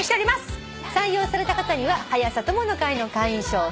採用された方には「はや朝友の会」の会員証そして。